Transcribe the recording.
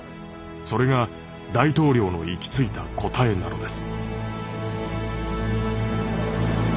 それが大統領の行き着いた答えなのです。